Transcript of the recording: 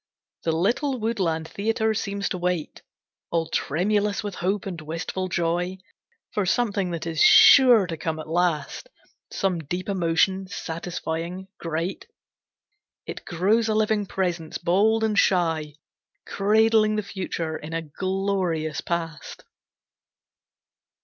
The little woodland theatre seems to wait, All tremulous with hope and wistful joy, For something that is sure to come at last, Some deep emotion, satisfying, great. It grows a living presence, bold and shy, Cradling the future in a glorious past.